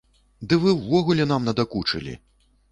Ды вы ўвогуле нам надакучылі!